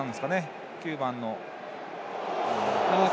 ９番の。